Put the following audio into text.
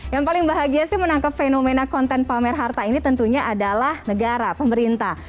yang paling bahagia sih menangkap fenomena konten pamer harta ini tentunya adalah negara pemerintah